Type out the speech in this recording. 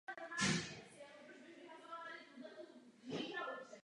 Místy vyčnívají izolované oblé vrcholy.